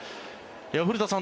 古田さん